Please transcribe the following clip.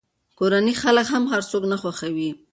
کورني خلک هم هر څوک نه خوښوي.